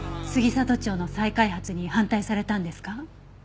杉里町の再開発に反対されたんですか？